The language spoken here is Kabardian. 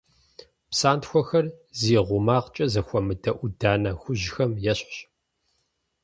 Псантхуэхэр зи гъумагъкӀэ зэхуэмыдэ Ӏуданэ хужьхэм ещхьщ.